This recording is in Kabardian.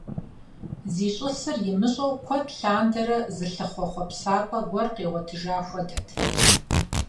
Зищӏысыр имыщӏэу куэд лъандэрэ зылъыхъуэ хъуэпсапӏэ гуэр къигъуэтыжа хуэдэт.